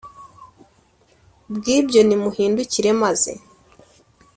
Bw ibyo nimuhindukire maze